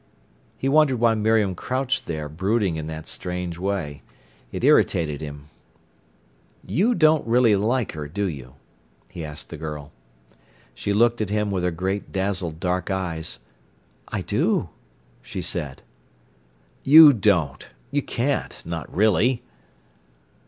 He wondered why Miriam crouched there brooding in that strange way. It irritated him. "You don't really like her, do you?" he asked the girl. She looked at him with her great, dazzled dark eyes. "I do," she said. "You don't—you can't—not really."